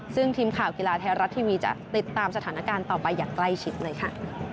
ซึ่งทีมข่าวกีฬาไทยรัฐทีวีจะติดตามสถานการณ์ต่อไปอย่างใกล้ชิดเลยค่ะ